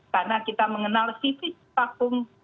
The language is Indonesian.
karena kita mengenal sifat